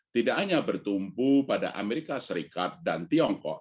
tidak hanya bertumpu pada amerika serikat dan tiongkok